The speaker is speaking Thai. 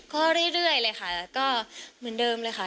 ก็เรื่อยเลยค่ะก็เหมือนเดิมเลยค่ะ